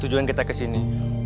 tujuan kita kesini